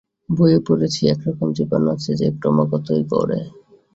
বইয়ে পড়েছি, একরকম জীবাণু আছে সে ক্রমাগতই ঘোরে।